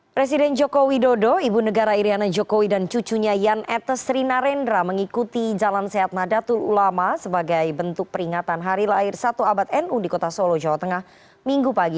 presiden joko widodo ibu negara iryana jokowi dan cucunya yan etes rinarendra mengikuti jalan sehat nadatul ulama sebagai bentuk peringatan hari lahir satu abad nu di kota solo jawa tengah minggu pagi